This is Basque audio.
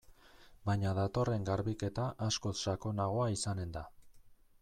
Baina datorren garbiketa askoz sakonagoa izanen da.